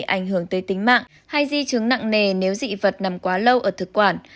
ảnh hưởng tới tính mạng hay di chứng nặng nề nếu dị vật nằm quá lâu ở thực quản